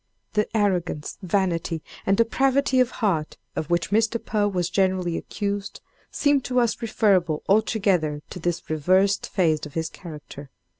The arrogance, vanity, and depravity of heart, of which Mr. Poe was generally accused, seem to us referable altogether to this reversed phase of his character.